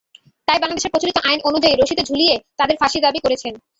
তাই বাংলাদেশের প্রচলিত আইন অনুযায়ী, রশিতে ঝুলিয়ে তাঁদের ফাঁসি দাবি করেছেন।